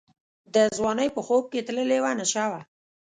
د ځوانۍ په خوب کي تللې وه نشه وه